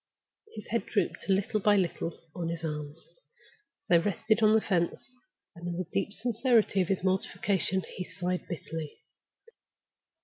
His head drooped little by little on his arms, as they rested on the fence, and, in the deep sincerity of his mortification, he sighed bitterly.